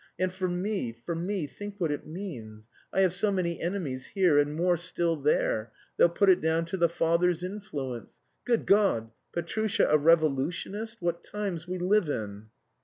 And for me, for me, think what it means! I have so many enemies here and more still there, they'll put it down to the father's influence. Good God! Petrusha a revolutionist! What times we live in!"